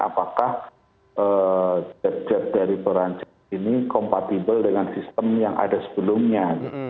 apakah jet jet dari perancis ini kompatibel dengan sistem yang ada sebelumnya